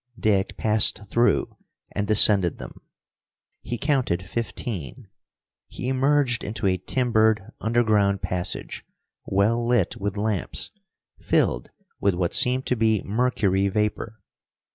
Dick passed through and descended them. He counted fifteen. He emerged into a timbered underground passage, well lit with lamps, filled with what seemed to be mercury vapor.